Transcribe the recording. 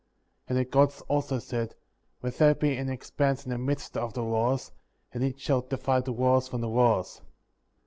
^ 6. And the Gods also said: Let there be an expanse in the midst of the waters, and it shall divide the waters from the waters.